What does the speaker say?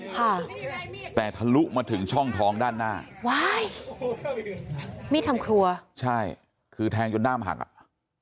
ค่ะแต่ทะลุมาถึงช่องท้องด้านหน้าว้ายมีดทำครัวใช่คือแทงจนด้ามหักอ่ะ